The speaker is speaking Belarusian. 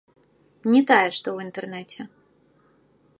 Не тая, што ў інтэрнэце.